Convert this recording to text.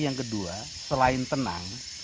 yang kedua selain tenang